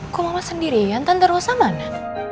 kok mama sendirian tante rosa mana